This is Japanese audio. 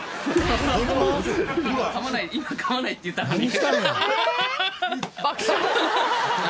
今噛まないって言ったのに。